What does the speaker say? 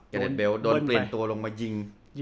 กระเด็ดเบลโดนปลินตัวลงมายิง